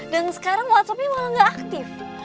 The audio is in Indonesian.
sekarang whatsappnya malah gak aktif